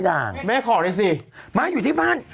ใหม่อยู่ที่บ้าน